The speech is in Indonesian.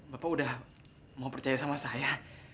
bapak udah mau percaya sama saya